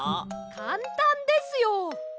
かんたんですよ！